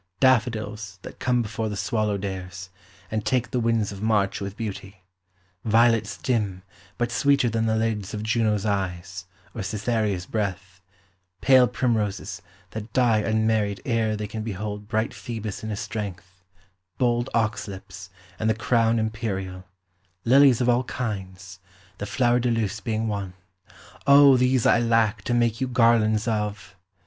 "Daffodils, that come before the swallow dares, and take the winds of March with beauty; violets dim, but sweeter than the lids of Juno's eyes, or Cytherea's breath; pale primroses, that die unmarried ere they can behold bright Phœbus in his strength; bold oxlips, and the crown imperial; lilies of all kinds, the flower de luce being one. O, these I lack, to make you garlands of!"